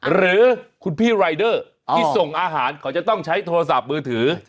หรือคุณพี่รายเดอร์ที่ส่งอาหารเขาจะต้องใช้โทรศัพท์มือถือ